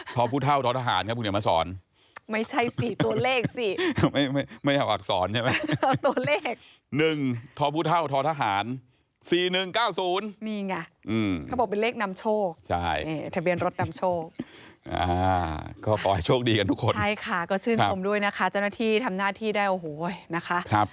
ขอดูเลขทะเบียนรถได้มั้ยคะ